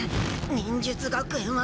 忍術学園は。